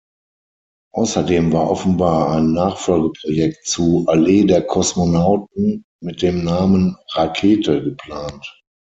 Außerdem war offenbar ein Nachfolgeprojekt zu "Allee der Kosmonauten" mit dem Namen "Rakete" geplant.